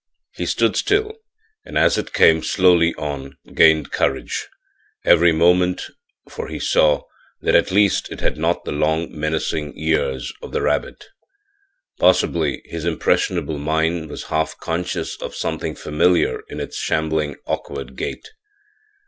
He stood still and as it came slowly on gained courage every moment, for he saw that at least it had not the long menacing ears of the rabbit. Possibly his impressionable mind was half conscious of something familiar in its shambling, awkward gait.